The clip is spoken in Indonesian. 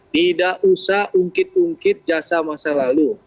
tidak usah ungkit ungkit jasa masa lalu